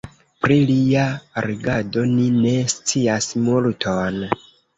Pri lia regado ni ne scias multon.